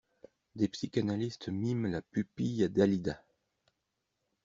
Des psychanalistes miment la pupille à Dalida!